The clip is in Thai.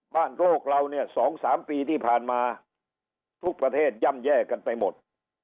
โรคเราเนี่ย๒๓ปีที่ผ่านมาทุกประเทศย่ำแย่กันไปหมด